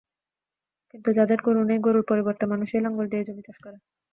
কিন্তু যাদের গরু নেই, গরুর পরিবর্তে মানুষই লাঙল নিয়ে জমি চাষ করে।